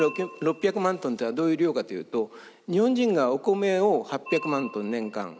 １，６００万トンっていうのはどういう量かというと日本人がお米を８００万トン年間。